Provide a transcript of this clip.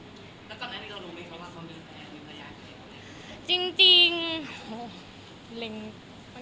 แล้วก็ก่อนหน้านี้เรารู้มั้ยว่าเขามีแฟนหรือว่าอยากให้เขาแฟน